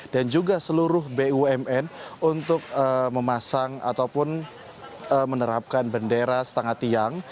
dan juga seluruh bumn untuk memasang ataupun menerapkan bendera setengah tiang